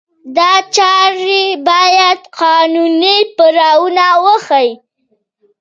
دا چارې باید قانوني پړاونه ووهي.